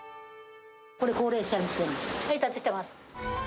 これは高齢者向け、配達してます。